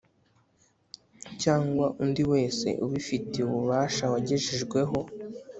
cyangwa undi wese ubifitiye ububasha wagejejweho